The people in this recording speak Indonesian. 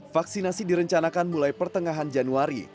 vaksinasi direncanakan mulai pertengahan januari